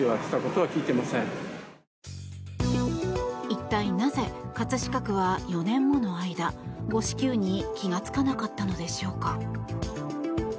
一体なぜ葛飾区は４年もの間誤支給に気が付かなかったのでしょうか。